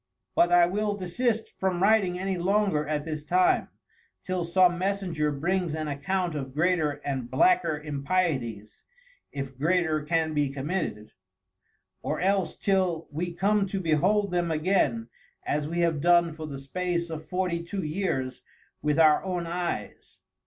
But I will desist from Writing any longer at this time, till some Messenger brings an account of greater and blacker Impieties (if greater can be committed) or else till we come to behold them again, as we have done for the space of forty two years with our own Eyes.